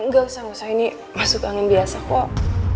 gak usah gak usah ini masuk angin biasa kok